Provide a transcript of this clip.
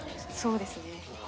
そうですね。